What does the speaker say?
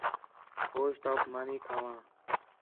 ہوچ توک مانی کھاواں